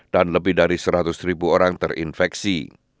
dan lebih dari seratus ribu orang terinfeksi